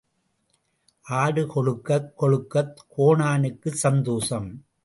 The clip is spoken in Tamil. ஆடு கொழுக்கக் கொழுக்கக் கோனானுக்குச் சந்தோஷம்.